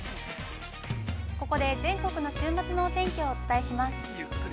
◆ここで全国の週末のお天気をお伝えします。